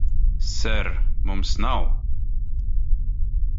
Ser, mums nav...